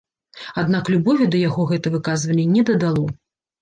Аднак любові да яго гэта выказванне не дадало.